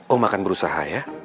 om akan berusaha ya